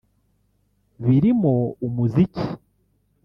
birimo umuziki